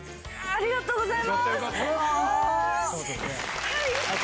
ありがとうございます。